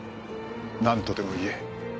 何とでも言え。